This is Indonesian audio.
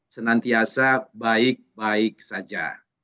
senantiasa baik baik saja